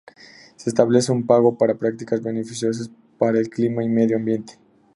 Se establece un pago para prácticas beneficiosas para el clima y medio ambiente.